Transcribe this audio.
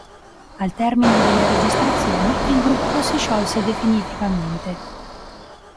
Al termine delle registrazioni il gruppo si sciolse definitivamente.